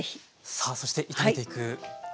さあそして炒めていくんですね。